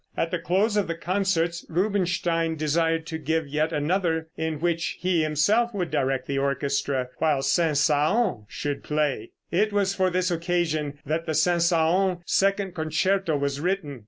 At the close of the concerts Rubinstein desired to give yet another in which he himself would direct the orchestra, while Saint Saëns should play. It was for this occasion that the Saint Saëns second concerto was written.